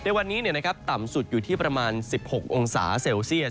ในวันนี้ต่ำสุดอยู่ที่ประมาณ๑๖องศาเซลเซียต